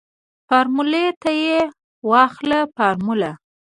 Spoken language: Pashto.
فارموله تې واخله فارموله.